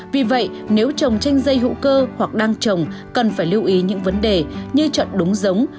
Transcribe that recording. vì vậy nếu trồng chanh dây hữu cơ hoặc đang trồng cần phải lưu ý những vấn đề như chọn đúng giống